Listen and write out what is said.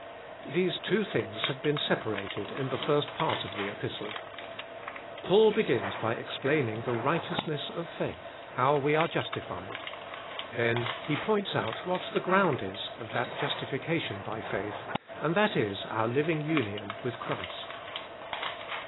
These two things have been separated in the first part of the Kpistle. Paul be gins by explaining the righteousness of faith, how we are justified. Then he points out what the ground is of that justification by faith, and that is our living union with Christ.